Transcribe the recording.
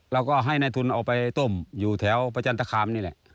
เราก็ให้ในทุนเอาไปต้มอยู่แถวประจันตคามนี่แหละ